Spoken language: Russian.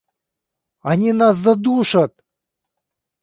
— Они нас задушат!